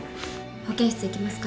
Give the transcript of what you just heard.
保健室行きますか？